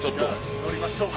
乗りましょう。